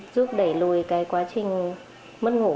giúp đẩy lùi cái quá trình mất ngủ